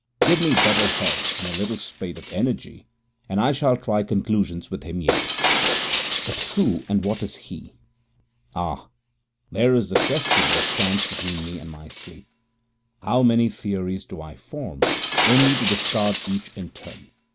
Give me better health and a little spate of energy, and I shall try conclusions with him yet. But who and what is he? Ah! there is the question which stands between me and my sleep. How many theories do I form, only to discard each in turn!